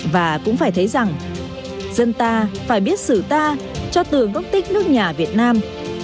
và cũng phải thấy rằng dân ta phải biết sử ta cho từ gốc tích nước nhà việt nam